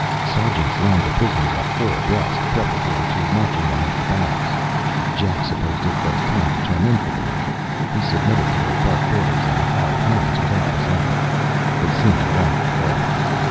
Sergeants lined the prisoners up four abreast preparatory to marching them into the barracks. Jack supposed it was time to turn in for the night. He submitted to their barked orders and hard hands without resentment. They seemed a long way off.